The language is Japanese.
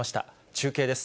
中継です。